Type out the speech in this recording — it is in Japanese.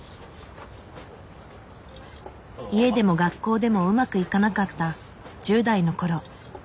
家でも学校でもうまくいかなかった１０代の頃。